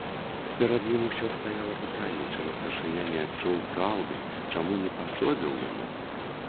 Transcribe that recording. Перад ім усё стаяла пытанне, чаму старшыня не адчуў праўды, чаму не пасобіў яму.